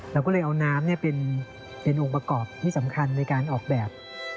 เราก็เลยเอาน้ำเป็นองค์ประกอบที่สำคัญในการออกแบบ